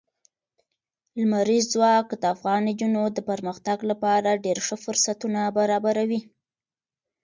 لمریز ځواک د افغان نجونو د پرمختګ لپاره ډېر ښه فرصتونه برابروي.